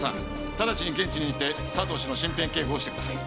直ちに現地に行って佐藤氏の身辺警護をしてください。